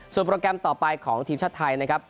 โปรแกรมต่อไปของทีมชาติไทยนะครับ